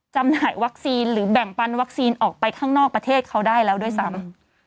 จำหน่ายวัคซีนหรือแบ่งปันวัคซีนออกไปข้างนอกประเทศเขาได้แล้วด้วยซ้ำ